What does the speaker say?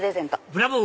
ブラボー！